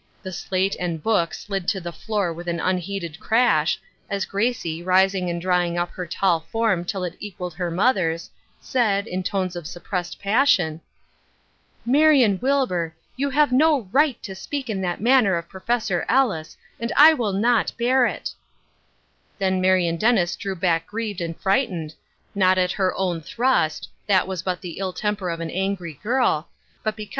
The slate and book slid to the floor with an un heeded crash, as Gracie, rising and drawing up her tall form till it equalled her mother's, said, in tones of suppressed passion :" Marion Wilbur, you have no right to speak in that manner of Prof. EUis, and I will not bear it I" Then Marion Dennis drew back grieved and frightened, not at her own thrust — that was but the ill temp'3r of an angry girl — but because Other People's Crosses.